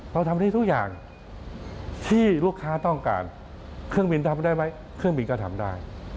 เราทำได้ทุกอย่างที่ลูกค้าต้องการเครื่องบินทำได้ไหมเครื่องบินก็ทำได้